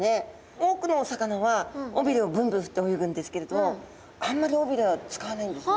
多くのお魚は尾びれをブンブン振って泳ぐんですけれどあんまり尾びれは使わないんですね。